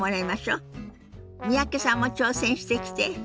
三宅さんも挑戦してきて。